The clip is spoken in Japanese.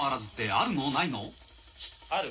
ある。